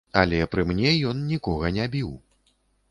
Але пры мне ён нікога не біў.